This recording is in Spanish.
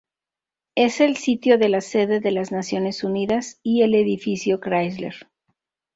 Es el sitio de la Sede de las Naciones Unidas y el Edificio Chrysler.